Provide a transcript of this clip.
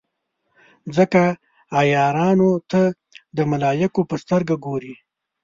ځکه عیارانو ته د ملایکو په سترګه ګوري.